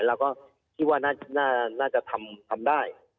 เราก็คิดว่าน่าจะทำได้